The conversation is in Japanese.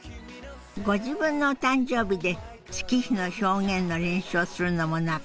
ご自分のお誕生日で月日の表現の練習をするのもなかなかいいものよ。